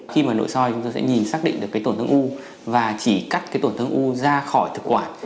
khi mà nội soi chúng tôi sẽ nhìn xác định được cái tổn thương u và chỉ cắt cái tổn thương u ra khỏi thực quản